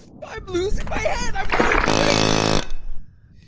I am losing my head! I am going crazy!